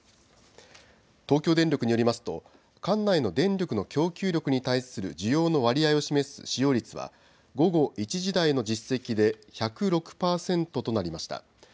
東京電力によりますと管内の電力の供給力に対する需要の割合を示す使用率は午後１時台の実績で１０６％となりました。